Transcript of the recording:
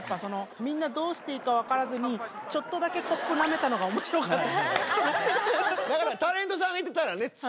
みんなどうしていいか分からずにちょっとだけコップなめたのが面白かった。